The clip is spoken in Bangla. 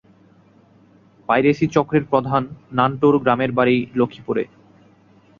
পাইরেসি চক্রের প্রধান নান্টুর গ্রামের বাড়ি লক্ষ্মীপুরে।